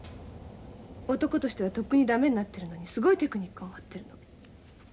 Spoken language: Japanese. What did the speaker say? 男としてはとっくに駄目になってるのにすごいテクニックを持ってるの。